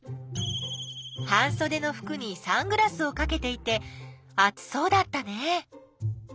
半そでのふくにサングラスをかけていて暑そうだったね。